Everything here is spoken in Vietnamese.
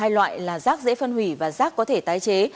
hai loại là rác dễ phân hủy và rác có thể tái chế